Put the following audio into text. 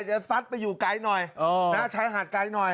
ซัดไปอยู่ไกลหน่อยใช้หาดไกลหน่อย